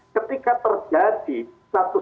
ketika terjadi satu